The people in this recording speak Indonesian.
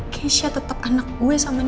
keisha tetap anak gue sama dia